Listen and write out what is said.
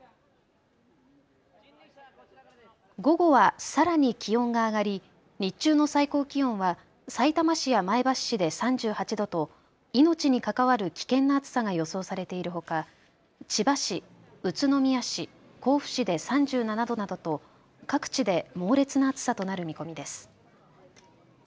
午後はさらに気温が上がり日中の最高気温はさいたま市や前橋市で３８度と命に関わる危険な暑さが予想されているほか千葉市、宇都宮市、甲府市で３７度などと各地で猛烈な暑さとなる見込みです。